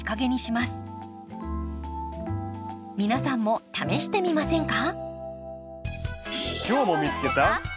皆さんも試してみませんか。